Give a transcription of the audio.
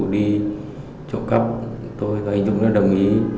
đi trộm cắp tôi và anh dũng đã đồng ý